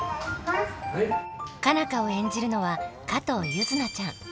佳奈花を演じるのは加藤柚凪ちゃん。